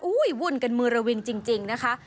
อู้ยวุ่นกันมือละวินจริงนะคะ